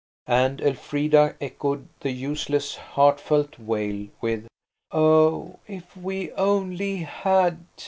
And Elfrida echoed the useless heartfelt wail with, "Oh, if we only had!"